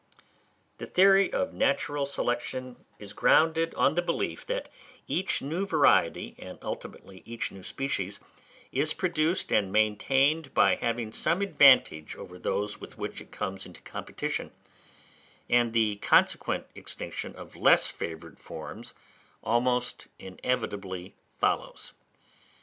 The theory of natural selection is grounded on the belief that each new variety and ultimately each new species, is produced and maintained by having some advantage over those with which it comes into competition; and the consequent extinction of less favoured forms almost inevitably follows.